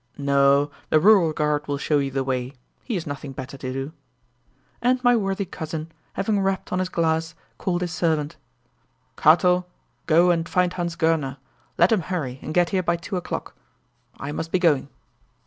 "No, the rural guard will show you the way; he has nothing better to do." And my worthy cousin, having rapped on his glass, called his servant: "Katel, go and find Hans Goerner let him hurry, and get here by two o'clock. I must be going."